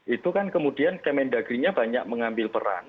itu kan kemudian kemendagri nya banyak mengambil peran